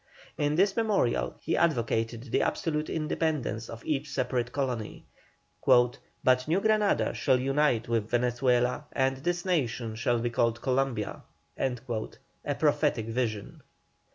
In this memorial he advocated the absolute independence of each separate colony, "but New Granada shall unite with Venezuela, and this nation shall be called Columbia." A prophetic vision!